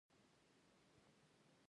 نقیب قریشي خواري ورسره کړې ده.